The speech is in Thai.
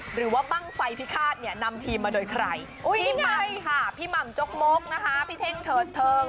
บ้างไฟพิฆาตเนี่ยนำทีมมาโดยใครพี่หม่ำค่ะพี่หม่ำจกมกนะคะพี่เท่งเถิดเทิง